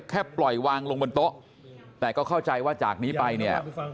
ปล่อยวางลงบนโต๊ะแต่ก็เข้าใจว่าจากนี้ไปเนี่ย